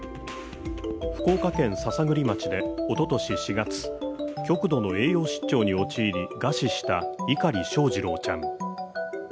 福岡県篠栗町でおととし４月極度の栄養失調に陥り餓死した碇翔士郎ちゃん。